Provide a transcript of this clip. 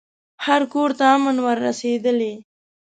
هر کورته امن ور رسېدلی